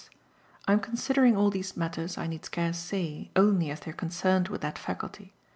(I am considering all these matters, I need scarce say, only as they are concerned with that faculty.